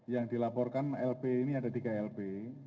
yang dilaporkan lp ini ada tiga lp